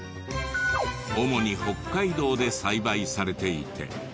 主に北海道で栽培されていて。